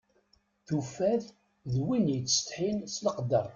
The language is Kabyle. Tufa-t d win yettsetḥin s leqder.